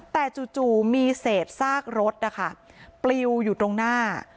แต่จู่มีเศษซากรถนะคะปลิวอยู่ตรงหน้า